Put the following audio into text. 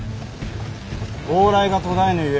往来が途絶えぬゆえ